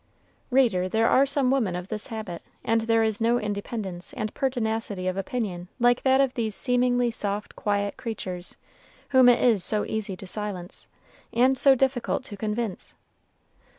Reader, there are some women of this habit; and there is no independence and pertinacity of opinion like that of these seemingly soft, quiet creatures, whom it is so easy to silence, and so difficult to convince.